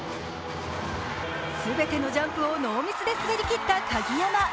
全てのジャンプをノーミスで滑りきった鍵山。